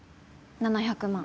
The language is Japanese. ７００万。